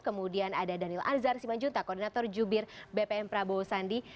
kemudian ada daniel anzar simanjunta koordinator jubir bpn prabowo sandi